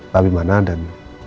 tapi mana dan